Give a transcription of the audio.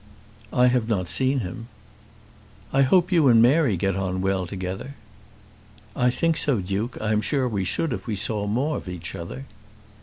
"I have not seen him." "I hope you and Mary get on well together." "I think so, Duke. I am sure we should if we saw more of each other."